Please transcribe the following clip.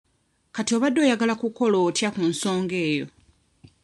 Kati obadde oyagala kukola otya ku nsonga eyo?